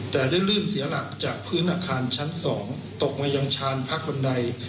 แต่ได้ลื่นเสียหลักจากพื้นอาคารชั้น๒ตกมายังชานพักคนใด